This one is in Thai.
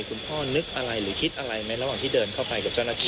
คุณพ่อนึกอะไรหรือคิดอะไรไหมระหว่างที่เดินเข้าไปกับเจ้าหน้าที่